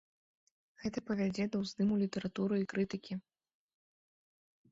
Гэта павядзе да ўздыму літаратуры і крытыкі.